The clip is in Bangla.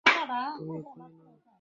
তুমি খুনি নও।